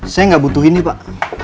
saya nggak butuh ini pak